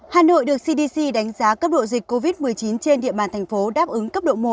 hà nội được cdc đánh giá cấp độ dịch covid một mươi chín trên địa bàn thành phố đáp ứng cấp độ một